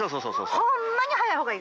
ホンマに早い方がいいから。